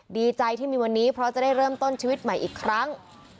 ดีใจที่มีวันนี้เพราะจะได้เริ่มต้นชีวิตใหม่อีกครั้ง